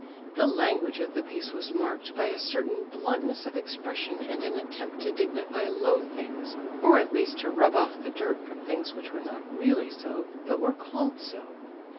The language of the piece was marked by a certain bluntness of expression and an attempt to dignify low things, or at least to rub off the dirt from things which were not really so, but were called so.